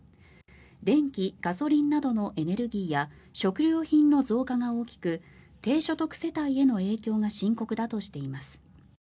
電気、ガソリンなどのエネルギーや食料品の増加が大きく低所得世帯への影響が深刻だとしています。